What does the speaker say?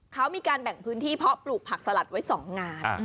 เขามีการแบ่งพื้นที่เพราะปลูกผักสลัดไว้๒งาน